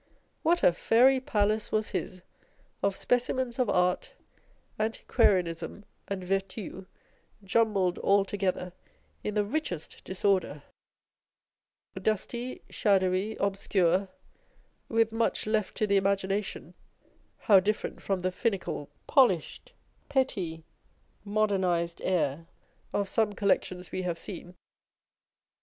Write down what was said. What a fairy palace was his of specimens of art, antiquarianism, and virtu, jumbled all together in the richest disorder, dusty, shadowy, obscure, with much left to the imagination (how different from the finical, polished, petty, modernised air of some Collections we have seen